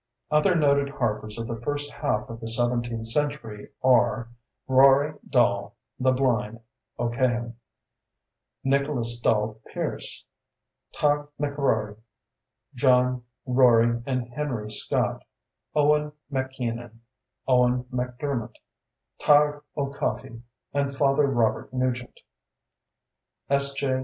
Other noted harpers of the first half of the seventeenth century are: Rory dall ("the blind") O'Cahan; Nicholas dall Pierce; Tadhg MacRory; John, Rory, and Henry Scott; Owen MacKeenan; Owen MacDermot; Tadhg O'Coffey; and Father Robert Nugent, S.J.